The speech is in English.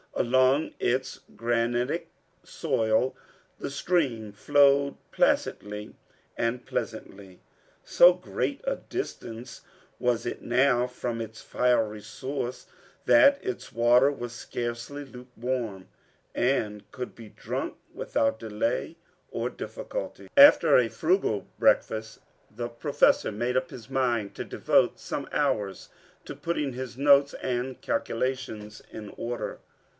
Along its granitic soil the stream flowed placidly and pleasantly. So great a distance was it now from its fiery source that its water was scarcely lukewarm, and could be drunk without delay or difficulty. After a frugal breakfast, the Professor made up his mind to devote some hours to putting his notes and calculations in order.